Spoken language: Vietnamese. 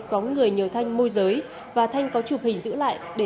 có người nhờ thanh môi giới và thanh có chụp hình giữ lại để